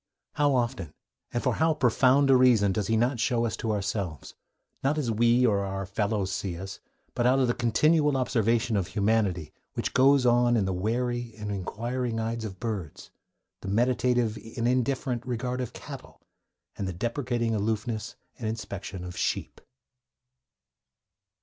How often, and for how profound a reason, does he not show us to ourselves, not as we or our fellows see us, but out of the continual observation of humanity which goes on in the wary and inquiring eyes of birds, the meditative and indifferent regard of cattle, and the deprecating aloofness and inspection of sheep?